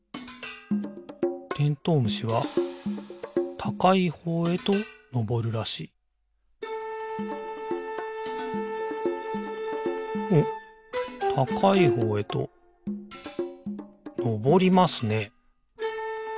虫はたかいほうへとのぼるらしいおったかいほうへとのぼりますね。